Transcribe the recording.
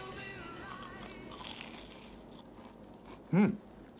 うん。